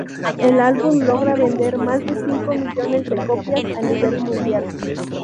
El álbum logra vender más de cinco millones de copias a nivel mundial.